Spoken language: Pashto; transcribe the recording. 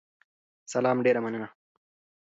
سلام، ډیره مننه